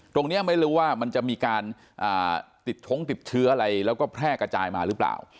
ตรงนี้ไม่รู้ว่ามันจะมีการติดชงติดเชื้ออะไรแล้วก็แพร่กระจายมาหรือเปล่า